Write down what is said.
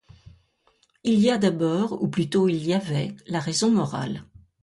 Il y a d’abord, ou plutôt il y avait, la raison morale.